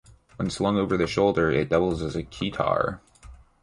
When slung over the shoulder it doubles as a "keytar".